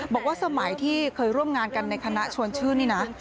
บอกว่าสมัยที่เคยร่วมงานกันในคณะชวนชื่นนี่นะ